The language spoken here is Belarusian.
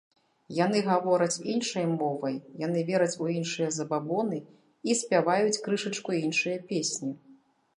Яны гавораць іншай мовай, яны вераць у іншыя забабоны і спяваюць крышачку іншыя песні.